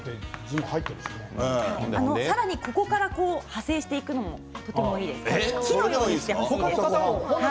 さらにそこから派生していくのもいいですよ。